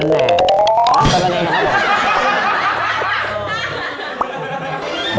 อ๋อเซอร์แน่นะครับ